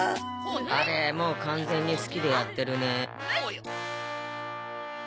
あれもう完全に好きでやってるね。